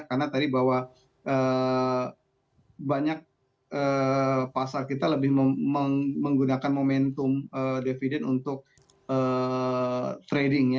karena tadi bahwa banyak pasar kita lebih menggunakan momentum dividen untuk trading ya